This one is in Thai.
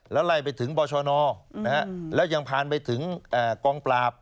แล้วไล่ไปถึงบชนแล้วยังผ่านไปถึงกองปราบ